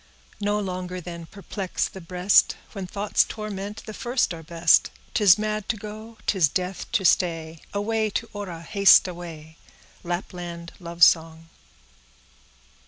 No longer then perplex the breast— When thoughts torment, the first are best; 'Tis mad to go, 'tis death to stay! Away, to Orra, haste away. —Lapland Love Song.